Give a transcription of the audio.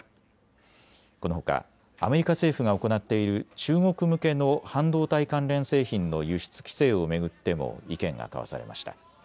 このほかアメリカ政府が行っている中国向けの半導体関連製品の輸出規制を巡っても意見が交わされました。